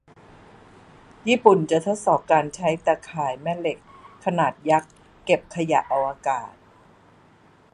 ญี่ปุ่นจะทดสอบการใช้ตาข่ายแม่เหล็กขนาดยักษ์เก็บขยะอวกาศ